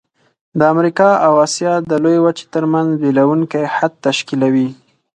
د امریکا او آسیا د لویې وچې ترمنځ بیلوونکی حد تشکیلوي.